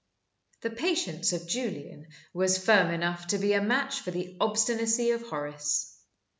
The patience of Julian was firm enough to be a match for the obstinacy of Horace.